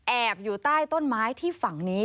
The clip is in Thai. อยู่ใต้ต้นไม้ที่ฝั่งนี้